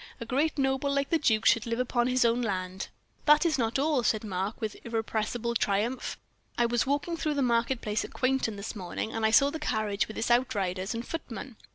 "A great noble like the duke should live upon his own land." "That is not all," said Mark, with irrepressible triumph. "I was walking through the market place at Quainton this morning, and I saw the carriage with out riders and footmen.